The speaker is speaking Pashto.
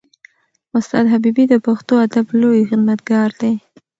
استاد حبیبي د پښتو ادب لوی خدمتګار دی.